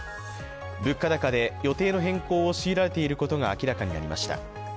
物価高で予定の変更を強いられていることが明らかになりました。